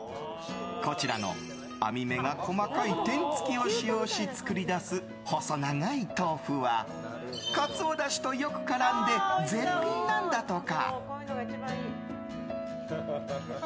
こちらの網目が細かい天つきを使用し作り出す細長い豆腐は、カツオだしとよく絡んで絶品なんだとか。